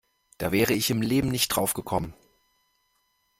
Da wäre ich im Leben nicht drauf gekommen.